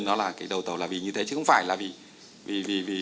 nó là cái đầu tàu là vì như thế chứ không phải là vì